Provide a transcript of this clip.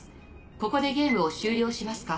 ここでゲームを終了しますか？